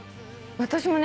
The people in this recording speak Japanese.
私もね